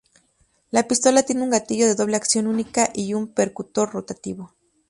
La pistola tiene un gatillo de doble acción única y un percutor rotativo.